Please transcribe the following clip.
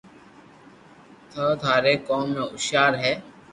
تو ٿاري ڪوم ۾ ھوݾيار ھي